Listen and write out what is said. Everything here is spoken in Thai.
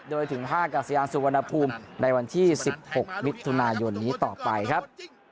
โดยถึงท่ากาศยานสุวรรณภูมิในวันที่๑๖มิถุนายนนี้ต่อไปครับ